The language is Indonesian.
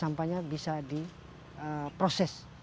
sampahnya bisa diproses